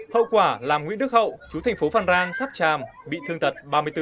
hậu quả làm nguyễn đức hậu chú thành phố phan rang tháp tràm bị thương tật ba mươi bốn